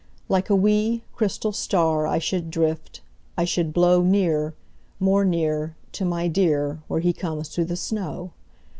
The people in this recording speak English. Like a wee, crystal star I should drift, I should blow Near, more near, To my dear Where he comes through the snow.